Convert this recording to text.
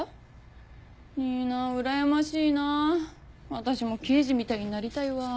私もケイジみたいになりたいわ。